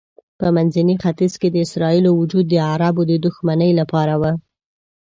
په منځني ختیځ کې د اسرائیلو وجود د عربو د دښمنۍ لپاره و.